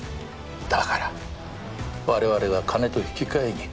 だから我々が金と引き換えに